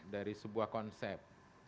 dari sebuah konsep